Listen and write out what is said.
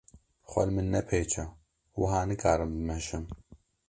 Xwe li min nepêçe wiha nikarim bimeşim.